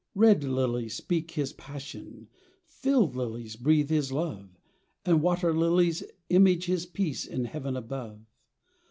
Red lilies speak His passion, Field lilies breathe His love, And Water lilies image His peace in heaven above.